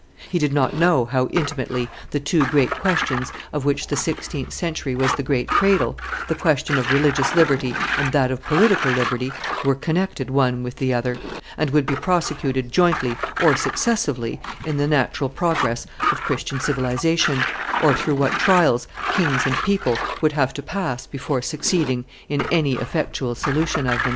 He did not know how intimately the two great questions of which the sixteenth century was the great cradle, the question of religious liberty and that of political liberty, were connected one with the other, and would be prosecuted jointly or successively in the natural progress of Christian civilization, or through what trials kings and people would have to pass before succeeding in any effectual solution of them.